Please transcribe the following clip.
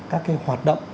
các cái hoạt động